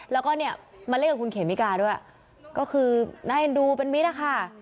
แล้วก็เนี่ยมาเล่นกับคุณเขมิกาด้วยก็คือน่าเอ็นดูเป็นมิตรนะคะ